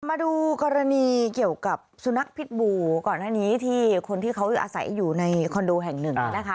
มาดูกรณีเกี่ยวกับสุนัขพิษบูก่อนหน้านี้ที่คนที่เขาอาศัยอยู่ในคอนโดแห่งหนึ่งนะคะ